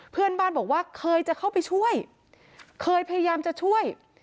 เพื่อนบ้านบอกว่าเคยจะเข้าไปช่วยเคยพยายามจะช่วย